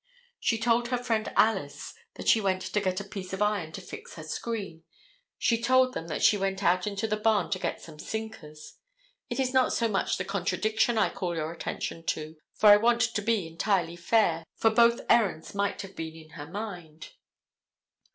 She told her friend Alice that she went to get a piece of iron to fix her screen. She told them that she went out into the barn to get some sinkers. It is not so much the contradiction I call your attention to, for I want to be entirely fair, for both errands might have been in her mind.